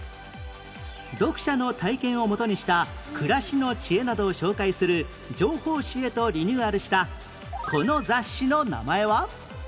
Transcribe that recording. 読者の体験をもとにした暮らしの知恵などを紹介する情報誌へとリニューアルしたこの雑誌の名前は？